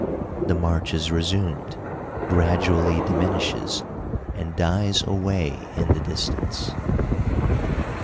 The march is resumed, gradually diminishes, and dies away in the distance.